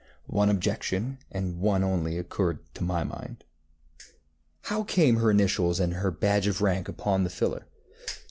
One objection, and one only, occurred to my mind. ŌĆ£How came her initials and her badge of rank upon the filler?